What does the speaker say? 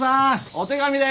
お手紙です！